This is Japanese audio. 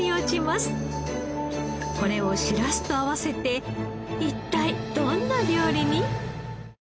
これをしらすと合わせて一体どんな料理に？